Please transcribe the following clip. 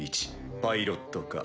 パイロット科。